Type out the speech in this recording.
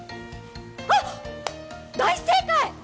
あっ大正解！